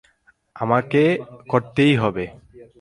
আমাকে করতেই হবে।